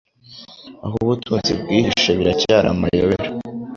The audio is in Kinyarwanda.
Aho ubutunzi bwihishe biracyari amayobera.